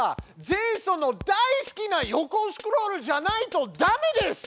ジェイソンの大好きな横スクロールじゃないとダメです！